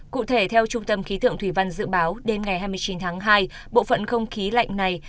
cụ thể theo trung tâm khí tượng thủy văn dự báo đêm ngày hai mươi chín tháng hai bộ phận không khí lạnh này